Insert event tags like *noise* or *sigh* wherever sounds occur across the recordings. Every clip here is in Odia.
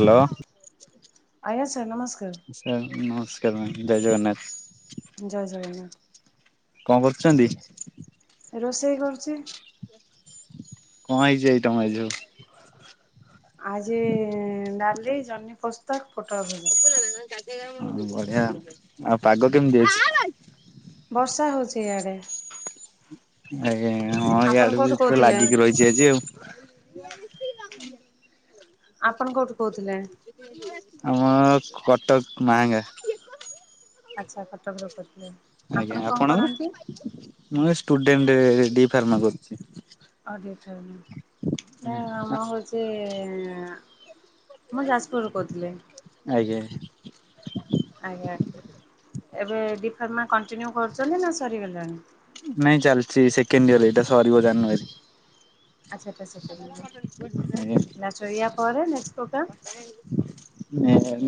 ହାଲୋ ଆଜ୍ଞା ସାର୍ ନମସ୍କାର୍। ସାର୍ ନମସ୍କାର ମେମ ଜୟ ଜଗନ୍ନାଥ। ଜୟ ଜଗନ୍ନାଥ। କଣ କରୁଚନ୍ତି? ରୋଷେଇ କରୁଚି। କଁ ହେଇଚି ଆଇଟମ୍ ଆଜି ସବୁ? ଆଜି ଡାଲି, ଜହ୍ନିପୋସ୍ତ, ପୋଟଳ ଭଜା। ବଢିଆ ଆଉ ପାଗ କେମିତି ଅଛି? ବର୍ଷା ହଉଛି ଇଆଡ଼େ। ଆଜ୍ଞା ଆଜ୍ଞା ହଁ ଆପଣ ଇଆଡେ ବି କୋଉଠୁ ତ କହୁଥିଲେ? ଲାଗିକି ରହିଛି। ଜେଜେ ଆଉ। ଆପଣ କୋଉଠୁ କହୁଥିଲେ? ଆମର କଟକ ମାହାଙ୍ଗା। ଆଚ୍ଛା କଟକରୁ କହୁଥିଲେ। ଆଜ୍ଞା ଆପଣ କଣ ଆପଣଙ୍କର? କରନ୍ତି? ମୁଁ ଏ ସ୍ଟୁଡେଣ୍ଟ ଡି ଫାର୍ମା କରୁଚି। ଆଜ୍ଞା ସାର ନାଇଁ ମୁଁ ହଉଚି ମୁଁ ଯାଜପୁରରୁୁ କହୁଥିଲି ଆଜ୍ଞା ଆଜ୍ଞା। ଏବେ ଡିଫର୍ମା କଣ୍ଟିନ୍ୟୁ କରୁଚନ୍ତି ନା ସରିଗଲାଣି? ନାଇଁ ଚାଲିଛି ସେକେଣ୍ଡ ଇୟର ଏଇଟା ସରିବ ଜାନୁଆରୀ ଆଚ୍ଛା ଏଟା ସେକେଣ୍ଡ ଇଅର ଆଜ୍ଞା। ଲାଷ୍ଟ ଇଅର ପରେ ନେକ୍ସଟ ପୋଗ୍ରାମ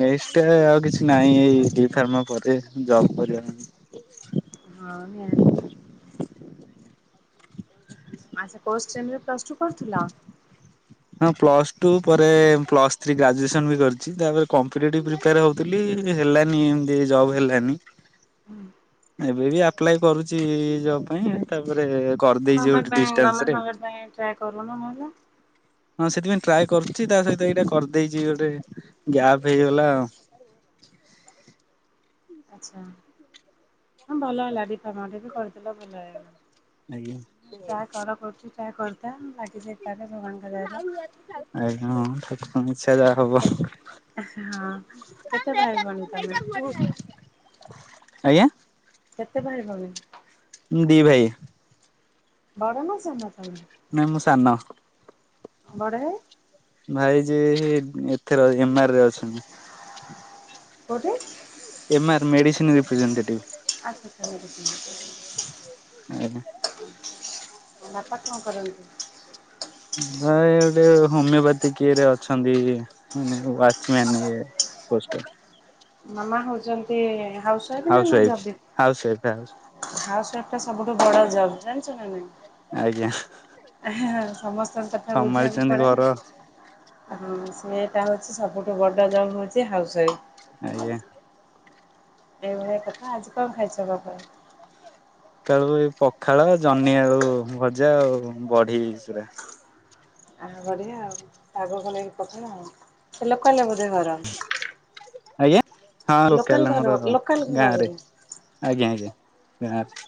ନେଷ୍ଟ ଆଉ କିଛି ନାହିଁ ଏଇ ଡି ଫାର୍ମା ପରେ ଜବ୍ କରିବା। ହଁ- ନିହାତି। ଆଛା କୋ ସେମି ରେ ପ୍ସସ୍ ଟୁ କରୁଥିଲା? ହଁ ପ୍ଲସ ଟୁ ପରେ ପ୍ଲସ ଥ୍ରୀ ଗ୍ରାଜୁଏସନ ବି କରିଛି। ତାପରେ କମ୍ପିଟେଟିଭ ପ୍ରିପାର ପ୍ରିପାର ହଉଥିଲି ହେଲାନି ଏମତି ଜବ୍ ହେଲାନି। ଏବେ ବି ଆପ୍ଲାଏ କରୁଛି ଜବ ପାଇଁ ତାପରେ କରିଦେଇଛି ଗମେଣ୍ଟ ଗୋଟେ ପାଇଁ ଡିଷ୍ଟାନ୍ସ ଗମେଣ୍ଟ ରେ। ଫମେଣ୍ଟ ପାଇଁ ଟ୍ରାଏ କରୁନ ନହେଲେ? ହଁ ସେଥିପାଇଁ ଟ୍ରାଏ କରୁଚି ତା ସହିତ ଏଇଟା କରିଦେଇଛି ଗୋଟେ ଗ୍ୟାପ୍ ହେଇଗଲା ଆଉ ଆଚ୍ଛା ହ ଭଲ ହେଲା ଡିଫାର୍ମା ଟା ବି କରିଦେଲ ଭଲ ଆଜ୍ଞା। ହେଇଗଲା। ଯାହା କର କରୁଛି ତାହା କର୍ତା ବାକି ସେ ତାରେ ଭଗବାନ। *unintelligible* ଇଛା ଯା ହବ। କେ ହଁ କେତେ ଭାଇ ଭଉଣୀ ତମେ ଆଜ୍ଞା। କେତେବେଳେ ଗଲେ? ଦି ଭାଇ। ବାବାଙ୍କ *unintelligible* ନା ମୁଁ ସାନ। ବଡ ଭାଇ? ଭାଇ ଯେ ଏଥେରେ ଏମ ଆରରେ ଅଛନ୍ତି। କୋଉଠି? ଏମ ଆର ମେଡିସିନ ଆଚ୍ଛା ସେମିତି ରିପ୍ରେଜେଣ୍ଟେଟିଭ। ଆଜ୍ଞା। ଆଉ ବାପା କଣ କରନ୍ତୁ? ଭାଇ ଗୋଟେ ହୋମେପାଥିକ ଇଏରେ ଅଛନ୍ତି ମାନେ ୱାଚମ୍ୟାନ ଇଏ *unintelligible* ମାମା ହଉଛନ୍ତି ହାଉସ ୱାଇଫ୍ ନା ହାଉସ୍ ନା ଜବ୍ ୱାଇଫ୍ ବି? House wife house house wife ଟା ସବୁଠୁ ବଡ ଜବ୍ ଜାଣିଛ ନା ନାଇଁ? ଆଜ୍ଞା। ସମସ୍ତଙ୍କ କଥା ବୁଝିଆକୁ ସମ୍ଭାଳିଛନ୍ତି ପଡେ ଘର ନା ହଁ ସେଟା ହଉଛି ସବୁଠୁ ବଡ଼ ଜବ ହଉଛି ହାଉସ୍ ୱାଇଫ୍। ଆଜ୍ଞା। ଏଇଭଳିଆ କଥା ଆଜି କଣ ଖାଇଛ ସକାଳୁ? ସକାଳୁ ଏ ପଖାଳ ଜହ୍ନି ଆଳୁ ଭଜା ଆଉ ବଢି ଚୁରା। ଆ ବଢିଆ ଆଉ ପାଗ କଲେ ପଖାଳ ଆଉ ସେ ଲୋକାଲ ବୋଧେ ଘର? ଆଜ୍ଞା ହଁ ଲୋକାଲ ଘର ଆମର ଲୋକାଲ ଘର ଗାଁରେ। ବୋଧେ। ଆଜ୍ଞା ଆଜ୍ଞା। *unintelligible*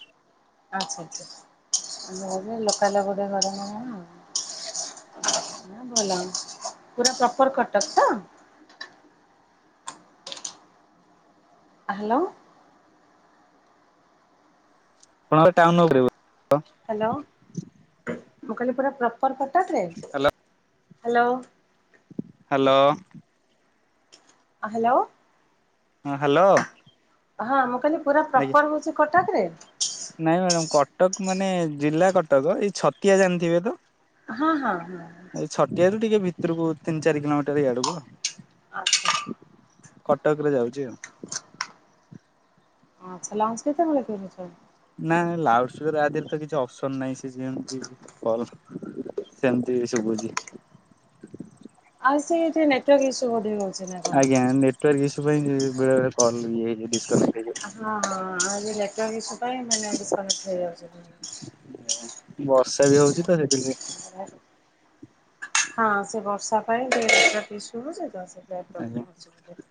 ଆଚ୍ଛା ଆଚ୍ଛା ମୋର ବି ଲୋକାଲ ଗୋଟେ ଘର *unintelligible* ଆଉ। ନା ଭଲ ପୁରା ପ୍ରପର କଟକ ତ? ହାଲୋ। ଆପଣଙ୍କର ଟାଉନ ଉପରେ ବୋ ହାଲୋ ମୁଁ କଇଲି ପୁରା ପ୍ରପର୍ କଟକରେ ହାଲୋ ହାଲୋ। ହାଲୋ। ହାଲୋ। ହଁ ହାଲୋ। ହଁ ମୁଁ କଇଲି ପୁରା ଆଜ୍ଞା। ପ୍ରପର ହଉଛି କଟକରେ? ନାଇଁ ମ୍ୟାଡ଼ାମ କଟକ ମାନେ ଜିଲ୍ଲା କଟକ ଏଇ ଛତିଆ ଜାଣିଥିବେ ତ? ହଁ ହଁ ହଁ। ଏଇ ଛଟିଆରୁୁ ଟିକେ ଭିତୁରୁକୁ ତିନ ଚାରି କିଲମିଟର ଇଆଡୁକୁ ଆଉ। ଆଚ୍ଛା। କଟକରେ ଯାଉଛି ଆଉ। ଆଛା ଲଞ୍ଚ କେତବଳେ କରୁଛ? ନା ଲାଉଡ ସ୍ପିକର ଆଧିଅରେ ତ କିଛି ଅପସନ ନାହିଁ ସେ ଯେମତି କଲ ସେମତି ଶୁଭୁଛି। ଆସ ସେ ଯେ ନେଟୱାର୍କ ଇସୁ ବୋଧେ ହ ଆଜ୍ଞା ନେଟୱାର୍କ ଇସୁ ପାଇଁ ବେଳେ ବେଳେ କଲ ଇଏ ଡ଼ିସ ହଁ ହଁ ଆ ଯେ ନେଟୱାର୍କ ଇସୁ ପାଇଁ ମାନେ ଡିସକନେକ୍ଟ ହେଇ ଯାଉଛି। ବର୍ଷା ବି ହଉଛି ତ, ସେଥିଲାଗି ହଁ ସେ ବର୍ଷା ପାଇଁ ସେତି ଶରୁୁଛି ତ, ସେ ଆଜ୍ଞା *unintelligible*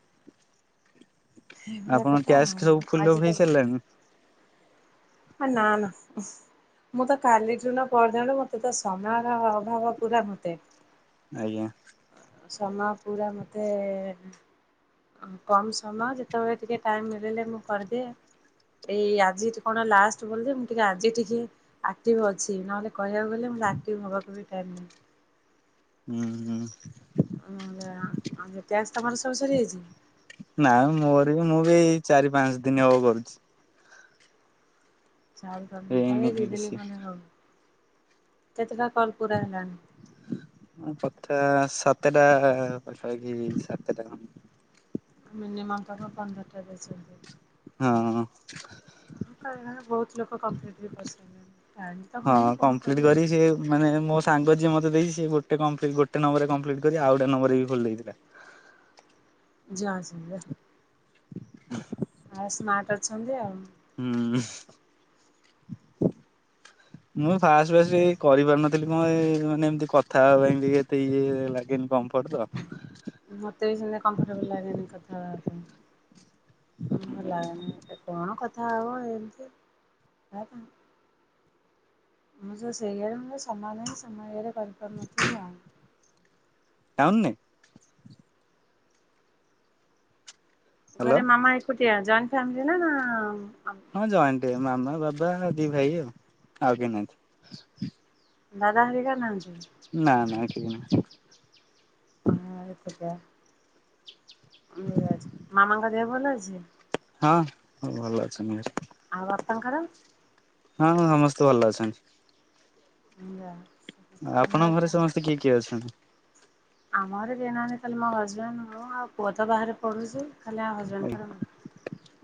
ଆପଣ କଥା ଟ୍ୟାସ୍ ଆଉ ସବୁ ଫୁଲ ଆଜି ତ ହେଇ ସାରିଲାଣି। ହ ନା ନା। ମୁଁ ତ କାଲି ଯୁନ ପର ଦିନ ଠୁ, ମତେ ତ ସମୟର ଅଭାବ ପୁରା ମତେ। ଆଜ୍ଞା। ସମୟ ପୁରା ମୋତେ କମ ସମୟ। ଯେତେବେଳେ ଟିକେ ଟାଇମ୍ ମିଳିଲେ ମୁଁ କରିଦିଏ। ଏଇ ଆଜି କଣ ଲାଷ୍ଟ ବୋଲି ମୁ ଟିକେ ଆଜି ଟିକେ ଆକ୍ଟିଭ ଅଛି। ନହେଲେ କହିବାକୁ ଗଲେ ମୋତେ ଆକ୍ଟିଭ୍ ହେବାକୁ ବି ଟାଇମ୍ ନାହିଁ। ହୁଁ ହୁଁ। ଟ୍ୟାକ୍ସ ତମର ସବୁ ସରିଯାଇଛି। ନା ମୋର ବି, ମୁଁ ବି ଏଇ ଚାରି ପାଞ୍ଚ ଦିନ ହବ କରୁଛି। ହେଇନି ରେ ଦିଦିନି ବେଶୀ। କଣ୍ଡେ ହଉ, କେତେଟା କଲ ପୁରା ହେଲାଣି? କଥା ସାତଟା ପାଖାପାଖି ସାତଟା ମିନିମମ୍ ତାକୁ ପନ୍ଦରଟା ଦେଇ ଚଛନ୍ତି। ହଁ। ହଁ ବହୁତ ଲୋକ କମ୍ପ୍ଲିଟ ବି କରିସାରିଲେଣି। ଟାଇମ୍ ତ ହଁ ହଉନି କଣ କମ୍ପ୍ଲିଟ କରିବା? କରି ସେ ମାନେ ମୋ ସାଙ୍ଗ ଯିଏ ମତେ ଦେଇଚି, ସିଏ ଗୋଟେ କମ୍ପ୍ଲି ଗୋଟେ ନମ୍ବରେ କପ୍ଲିଟ କରି ଆଉ ଗୋଟେ ନମ୍ବରରେ ବି ଖୋଲି ଦେଇଥିଲା। ଜାସାଙ୍ଗେ ଆଉ ସ୍ମାର୍ଟ ଅଛନ୍ତି ଆଉ। ହୁଁ। ମୁଁ ଫାଷ୍ଟ ଫା କରିପାରୁନଥିଲି। ଥିଲି କଣ ମାନେ ଏମିତି କଥା ହେବା ପାଇଁ ଟିକେ ଏତେ ଇଏ ଲାଗେନି କମ୍ଫର୍ଟ ତ। ମୋତେ ବି ସେମିତି କମ୍ଫର୍ଟେବୁଲ୍ ଲାଗେନି କଥା ହେବା ପାଇଁ। ଭଲ ଲାଗେନି। କଣ କଥା ହବ ଏମିତି? ମୁତ ସେଇୟରର ସାମାନର *unintelligible* କରିପାରୁନଥିଲି ଆଉ। ଟାଉନ ନେ। ହ୍ୟାଲୋ ଘରେ ମାମା ଏକୁଟିଆ। ଜଏଣ୍ଟ ଫ୍ୟାମିଲି ନା ହଁ ଜଏଣ୍ଟ। ମାମା, ବାବା ଆଉ ଦି ଭାଇ ଆଉ। ଆଉ କିନାହାନ୍ତି। ଦାଦା ହୋରିକା ନାହାନ୍ତି। ନା ନା, କେହି ନାହାନ୍ତି। *unintelligible* ମାମାଙ୍କ ଦେହ ଭଲ ଅଛି। ହଁ ଭଲ ଅଛି। ଆଉ ଆପଣଙ୍କର। ହଁ ହଁ ସମସ୍ତେ ଭଲ ଅଛନ୍ତି। *unintelligible* ଭଲ ଆପଣଙ୍କ ଘରେ ଅଛନ୍ତି। ସମସ୍ତେ କିଏ କିଏ ଅଛନ୍ତି? ଆମ ଘର କେହିନାହାନ୍ତି। ଖାଲି ମୋ ହଜବେଣ୍ଡ, ମୁ ଆଉ ପୁଅ ତ ବାହାରେ ପଢ଼ୁଛି। ଖାଲି ଆଉ ହସ୍ବେଣ୍ଡ୍ ଙ୍କର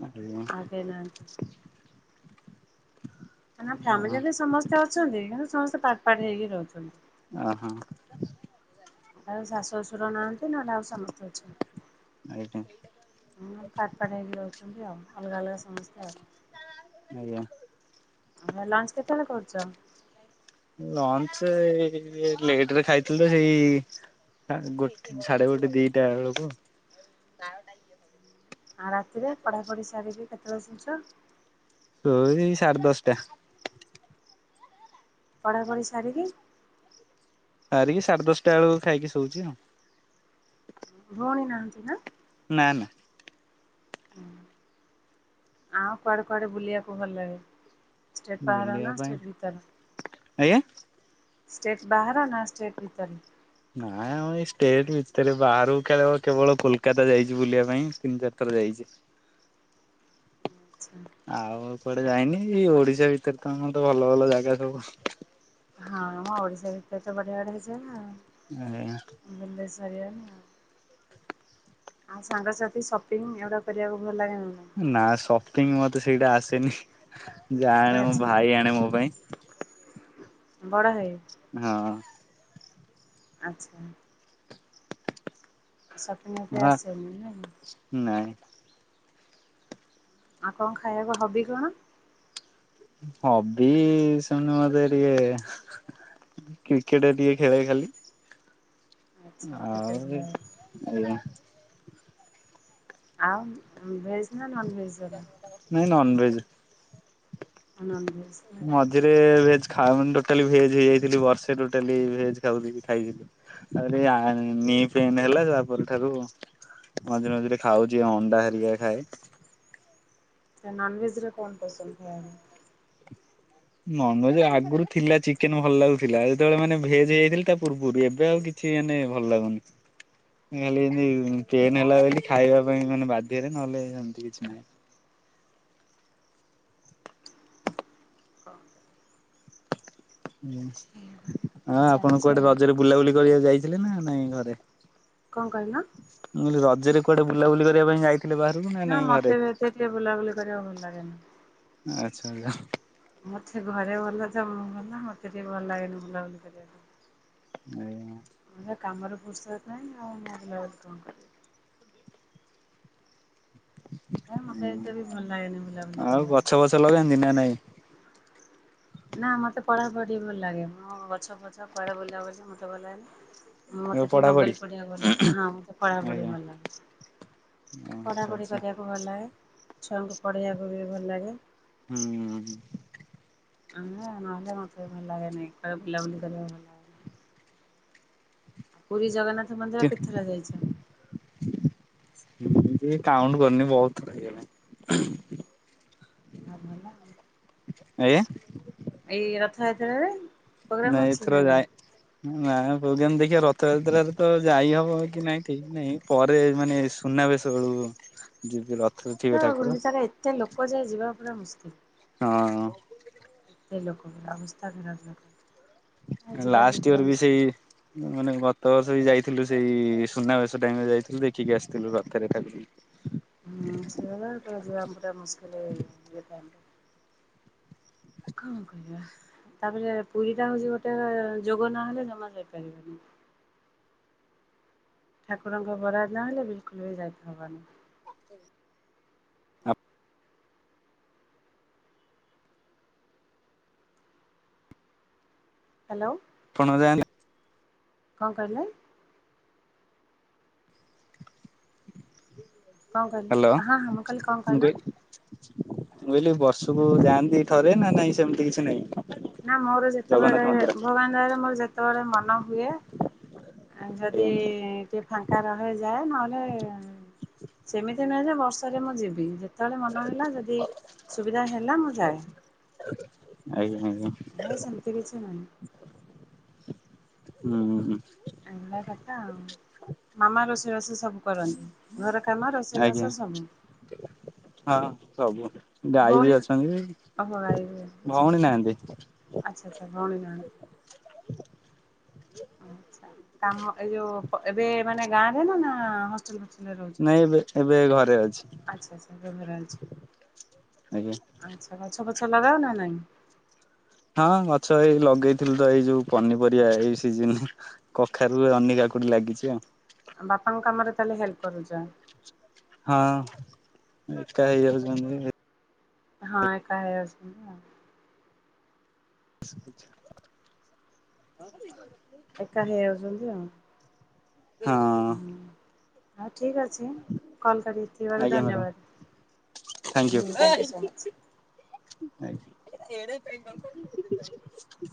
ଆଜ୍ଞା ଆଜ୍ଞା ଆଉ କେହି ନାହାନ୍ତି। ନା ହଁ ଫ୍ୟାମିଲିରେ ବି ସମସ୍ତେ ଅଛନ୍ତି, କିନ୍ତୁ ସମସ୍ତେ ପାଟ ପାଟ ହେଇକି ରହୁଛନ୍ତି। ଓ ହୋ। ଆଉ ଶାଶୁ ଶ୍ୱଶୁର ନାହାନ୍ତି, ନହେଲେ ଆଉ ସମସ୍ତେ ଅଛନ୍ତି। ଆଜ୍ଞା। ହ ପାଠ ପାାଠ ହେଇକି ରହୁଛନ୍ତି ଆଉ। ଅଲଗା ଅଲଗା ସମସ୍ତେ ଆଉ। ଆଜ୍ଞା। ଆ ଲଞ୍ଚ କେତେବେଳେ କରୁଚ? ଲଞ୍ଚ ଏଇ ଲେଟ ରେ ଖାଇଥିଲୁ ହେଇ ଗୋଟେ ସାଢେ ଗୋଟେ ଦିଟା ବେଳକୁ। ଆଉ ରାତିରେ ପଢ଼ାପଢ଼ି ସାରିକି କେତେବେଳେ ଶୋଉଚ? ଏଇ ସାଡେ ଦଶ ଟା। ପଢ଼ାପଢ଼ି ସାରିକି ସାରିକି ସାଢ଼େ ଦଶଟା ବେଳକୁ ଖାଇକି ଶୋଉଛି ଆଉ। ଭଉଣୀ ନାହାନ୍ତି ନା? ନା ନା। ହୁଁ ଆଉ କୁଆଡେ କୁଆଡେ ବୁଲିବାକୁ ଭଲ ଲାଗେ? ଷ୍ଟେଟ ପାହାର ନା ବୁଲିବା ପାଇଁ *unintelligible* ଆଜ୍ଞା ଷ୍ଟେଟ ବାହାରେ ନା ସେଷ୍ଟେଟ ଭିତରେ? ନାଇଁ ଆମ ଏଇ ଷ୍ଟେଟ ଭିତରେ ବାହାରକୁ ଖେଳିବ କେବଳ କୋଲକାତା ଯାଇଛି ବୁଲିବା ପାଇଁ ତିନି ଚାରିଥର ଯାଇଚି। ଆଚ୍ଛା। ଆଉ କୁଆଡେ ଯାଇନି ଏଇ ଓଡିଶା ଭିତରେ ତ ଆମର ତ ଭଲ ଭଲ ଜାଗା ସବୁ ହଁ ଆମ ଓଡିଶା ଭିତରେ ତ ବଢିଆ ବଢିଆ ଜାଗା ଆଉ। ହୁଁ। ବୁଲିଲେ ସରିବନି ଆଉ। ଆଉ ସାଙ୍ଗସାଥି ସପିଙ୍ଗ ଏଗୁଡା କରିବାକୁ ଭଲ ଲାଗେ ନା ନାହିଁ? ନା ସପିଙ୍ଗ ମତେ ସେଇଟା ଆସେନି ଯାହା ଆଣେ ମୋ ଆଚ୍ଛା ଭାଇ ଆଣେ ମୋ ପାଇଁ। ବଡ଼ ଭାଇ? ହଁ। ଆଚ୍ଛା। ସବୁ ମୋତେ ହଁ ଆସେନି ନାକି? ନାଇଁ। ଆଉ କଣ ଖାଇବାକୁ ହବି କଣ? ହବି *unintelligible* କ୍ରିକେଟ ଟିକେ ଖେଳେ ଖାଲି। ଆଚ୍ଛା କ୍ରିକେଟ ଆଉ ଖେଳ ଆଜ୍ଞା। ଆଉ ଭେଜ୍ ନା ନନ୍ ଭେଜ୍ ଵାଲା? ନନ ଭେଜେ। ହଁ ନନ ବେଜ। ମଝିରେ ଭେଜ ଖଉ ମାନ ଟୋଟାଲି ଭେଜ ହେଇଯାଇଥିଲି ବର୍ଷେ ଟୋଟାଲି ଭେଜ ଖାଉଥିଲ ଖାଇଥିଲୁ। *unintelligible* ମଝିରେ ମଝିରେ ଖାଉଛି ଅଣ୍ଡା ହୋରିକା ଖାଏ। ନନଭେଜରେ କଣ ପସନ୍ଦ ହୋମ? ନନଭେଜ ଆଗରୁ ଥିଲା ଚିକେନ ଭଲ ଲାଗୁଥିଲା ଯେତେବେଳେ ମାନେ ଭେଜ ହେଇଯାଇଥିଲା ତା ପୂର୍ବରୁ ଏବେ ଆଉ କି ଚି ମାନେ ଭଲ ଲାଗୁନି। ଖାଲି ଏମତି ପେନ୍ ହେଲା ବୋଲି ଖାଇବା ପାଇଁ ମାନେ ବାଧ୍ୟରେ ନହେଲେ ଏମିତି କିଛି ନାହିଁ। କ ହ ଆପଣ ଚାଲିଛି କୁଆଡେ ଆଉ ରଜରେ ବୁଲାବୁଲି କରିବାକୁ ଯାଇଥିଲେ ନା ନାଇଁ ଘରେ? କଣ କହିଲ? ମୁଁ କହିଲି ରଜରେ କୁଆଡେ ବୁଲାବୁଲି କରିବା ପାଇଁ ଯାଇଥିଲେ ବାହା ନା ମୋତେ ବି ଏତେ ଟିକେ ବୁଲାବୁଲି କରିବାକୁ ଭଲ ଲାଗେନି। ଆଚ୍ଛା ଆଚ୍ଛା ମତେ ଘରେ ଭଲ ତ ମୁଁ ଭଲ ମତେ ଟିକେ ଭଲ ଲାଗେନି ବୁଲାବୁଲି କରିବାକୁ। ଆଜ୍ଞା। ମୋର କାମରେ ଫୁର୍ସତ ନାହିଁ ଆଉ ମୁଁ ବୁଲାବୁଲି କଣ କରିବି? ମତେ ଏତେ ବି ଭଲ ଲାଗେନି ବୁଲାବୁଲି ଆଉ କରିବାକୁ। ଫଛ ଗଛ ଲଗାନ୍ତି ନା ନାଇଁ। ନା ମତେ ପଢା ପଢି ଭଲ ଲାଗେ। ମୁଁ ଗଛ ପଛ କୁଆଡେ ବୁଲାବୁଲି ମତେ ଭଲ ଲାଗେନି। ମତେ ଏବେ ଟିକେ ପଢାପଢି ନୋବେଲ ପଢିବାକୁ ଭଲ ଲାଗେ। ହଁ ମତେ ପଢା ପଢି ଭଲ ଲାଗେ। ହଁ। ବଢ଼ି ପାରିବାକୁ ଭଲ ଲାଗେ ଛୁଆଙ୍କୁ ପଢ଼େଇବାକୁ ବି ଭଲ ଲାଗେ। ହୁଁଁ। ଆମ ଆମ ଅଞ୍ଚଳ ଭଲ ଲାଗେନି କୁଆଡେ ବୁଲା ବୁଲି କରିବାକୁ। ଲାଗେ ପୁରୀ ଜଗନ୍ନାଥ ମନ୍ଦିର କେତେଥର ଯାଇଛ? କାଉଣ୍ଟ କରିନି ବହୁତ ଥର ହେଇଗଲାଣି। ଆଉ ଭଲ। ଆଜ୍ଞା। ଏଇ ରଥଯାତ୍ରାରେ। ପ୍ରୋଗ୍ରାମ୍ ନାଇଁ ଅଛି ନା ଏଥର ନାଇଁ? ଯାଇନି। ନା ବହୁତ ଦିନ ଦେଖିବା ରଥଯାତ୍ରାରେ ତ ଯାଇ ହବ କି ନାଇଁ ଠିକ ନାଇଁ ପରେ ମାନେ ସୁନାବେଶ ବେଳକୁ ଆଉ। ଗୁଣ୍ଡିଚାରେ ଏତେ ଲୋକ ଯେ ଯିବା ପୁରା ମୁସ୍କିଲ୍। ହଁ ଏତେ ଲୋକ ଅବସ୍ଥା ଖରାପ ଲାଗ। ଲାଷ୍ଟ ଇୟର ବି ସେଇ‌ ମାନେ ଗତ ବର୍ଷ ବି ଯାଇଥିଲୁ। ସେଇ ସୁନାବେଶ ଟାଇମ ରେ ଯାଇଥିଲୁ, ଦେଖିକି ଆସିଥିଲୁ ରଥରେ ଖାଲି। ହୁଁ ସେଇଭଳିଆ ପୁରା ଯିବା ପୁରା ମୁସ୍କିଲ ହେଇଗଲା। କଣ କରିବା? ତାପରେ ପୁରୀଟା ହଉଛି ଗୋଟେ ଯୋଗ ନହଲେ ଜମା ଯାଇପାରିବନି। ଠାକୁରଙ୍କ ବରାଦ ନହଲେ ବିଲକୁଲ ବି ଯାଇତେ ହବନି। ଆପ୍ ହ୍ୟାଲୋ। ଆପଣ ଯା କଣ କହିଲେ? କଣ କହିଲେ ହ୍ୟାଲୋ। ହଁ ହଁ ମୁଁ କହିଲି କଣ ମୁଁ କହିଲ କହିଲି ମୁଁ କହିଲି ବର୍ଷକୁ ଯାଆନ୍ତି ଥରେ ନା ନାଇଁ ସେମିତି କିଛି ନାହିଁ। ନା ମୋର ଯେତେବେଳେ ଭଗବାନ ଦୟାରୁ ମୋର ଯେତେବେଳେ ମନ ହୁଏ। ଆ ଯଦି ଆଜ୍ଞା ଟିକେ ଫାଙ୍କା ରହେ ଯାଏ ନହେଲେ ସେମିତି ନୁହେଁ ଯେ ବର୍ଷରେ ମୁଁ ଯିବି। କେତେ ବେଳେ ମନ ହେଲା ଯଦି ସୁବିଧା ହେଲା ମୁଁ ଯାଏ। ଆଜ୍ଞା ଆଜ୍ଞା ନାହିଁ ସେମିତି କିଛି ନାହିଁ। ହୁଁ ହୁଁ। ଏଇ ଭଳିଆ କଥା ଆଉ। ମାମା ରୋଷେଇବାସ ସବୁ କରନ୍ତିୁ, ଘର କାମ ଆଜ୍ଞା ରୋଷେଇବାସ ସବୁ। ହଁ ସବୁ। ଗାଈ ଭଉଣୀ ବି ଓହୋ ଭାଇ ଅଛନ୍ତି। ଭଉଣୀ ନାହାନ୍ତି। ଆଚ୍ଛା ଆଚ୍ଛା ଭଉଣୀ ନାହାନ୍ତି। ଆଚ୍ଛା କାମ ଏଇ ଯୋଉ ଏବେ ମାନେ ଗାଁରେ ନା ନା ହଷ୍ଟେଲ ଫ ନାଇଁ ଏବେ ଏବେ ଘରେ ଆଚ୍ଛା ଆଚ୍ଛା ବେଭେରା ଅଛି ଅଛି। ଆଜ୍ଞା। ଆଚ୍ଛା ଗଛ ପଛ ଲଗାଅ ନା ନାଇଁ। ହଁ, ଗଛ ଏଇ ଲଗେଇଥିଲୁ ତ, ଏଇ ଯୋଉ ପନିପରିବା ଏଇ ସିଜନ୍ କଖାରୁ, ଆନି, କାକୁଡି ଲାଗିଚି ଆଉ। ବାପାଙ୍କ କାମରେ ତାହେଲେ ହେଲ୍ପ କରୁଚ? ହଁ, ଏକା ହେଇଯାଉଚନ୍ତି। ହଁ, ଏକା ହେଇଯାଉଚନ୍ତି ଆଉ। ଆଛା ଆଛା *unintelligible* ଏକା ହେଇଯାଉଚନ୍ତି ଆଉ। ହଁ। ହୁଁ, ଆଜ୍ଞା ହଉ ଠିକ୍ ଅଛି, କଲ୍ କରିଥିବାରୁ ମ୍ୟାଡ଼ାମ ଧନ୍ୟବାଦ। ହୁଁ, ଥ୍ୟାଙ୍କୟୁ ସୋ ମଚ୍। *unintelligible*